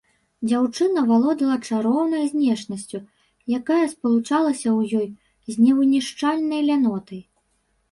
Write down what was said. Дзяўчына валодала чароўнай знешнасцю, якая спалучалася ў ёй з невынішчальнай лянотай.